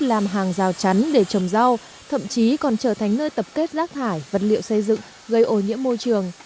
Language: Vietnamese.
làm hàng rào chắn để trồng rau thậm chí còn trở thành nơi tập kết rác thải vật liệu xây dựng gây ô nhiễm môi trường